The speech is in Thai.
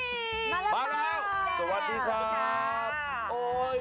มาแล้วค่ะ